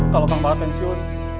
kalau kang bahat pensiun